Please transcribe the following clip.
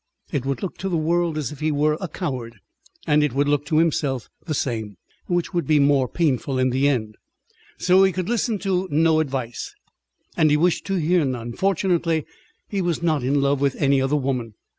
It would look to the world as if he were a coward, and it would look to himself the same which would be more painful in the end. So he could listen to no advice, and he wished to hear none. Fortunately he was not in love with any other woman.